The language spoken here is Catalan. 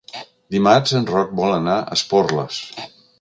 Dimarts en Roc vol anar a Esporles.